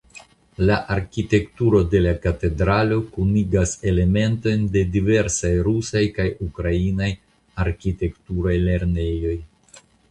La arkitekturo de la katedralo kunigas elementojn de diversaj rusaj kaj ukrainaj arkitekturaj lernejoj.